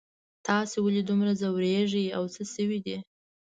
تاسو ولې دومره ځوریږئ او څه شوي دي